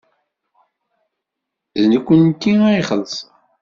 D nekkenti ad ixellṣen.